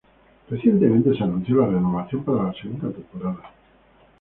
Recientemente se anunció la renovación para la segunda temporada.